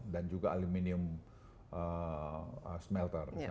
dan juga aluminium smelter